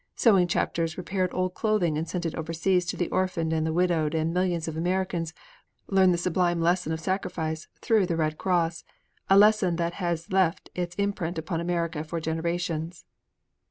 Sewing chapters repaired old clothing and sent it overseas to the orphaned and the widowed, and millions of Americans learned the sublime lesson of sacrifice through the Red Cross a lesson that left its imprint upon America for generations.